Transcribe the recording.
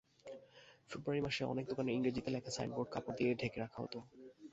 ফেব্রুয়ারি মাসে অনেক দোকানের ইংরেজিতে লেখা সাইনবোর্ড কাপড় দিয়ে ঢেকে রাখা হতো।